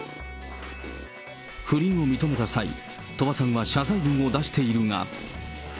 不倫を認めた際、鳥羽さんは謝罪文を出しているが。